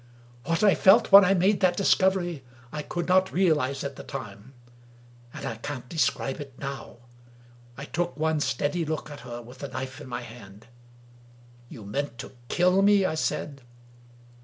What I felt when I made that discovery I could not realize at the time, and I can't describe now. I took one steady look at her with the knife in my hand. " You meant to kill me?" I said.